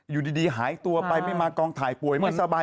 อยู่ดีหายตัวไปไม่มากองถ่ายป่วยไม่สบาย